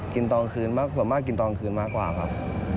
ตอนคืนส่วนมากกินตอนคืนมากกว่าครับ